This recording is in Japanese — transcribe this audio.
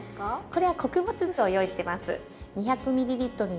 これは穀物酢を用意してます。